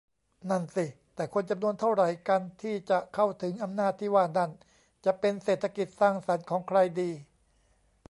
นั่นสิ แต่คนจำนวนเท่าไหร่กันที่จะเข้าถึงอำนาจที่ว่านั่น จะเป็น เศรษฐกิจสร้างสรรค์ของใครดี ?